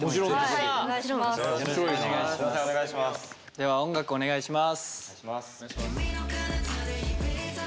では音楽お願いします。